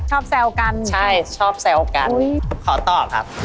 แซวกันใช่ชอบแซวกันขอตอบครับ